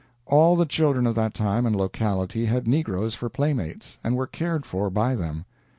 All the children of that time and locality had negroes for playmates, and were cared for by them.